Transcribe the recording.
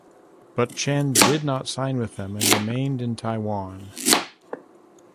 But, Chen did not sign with them and remained in Taiwan.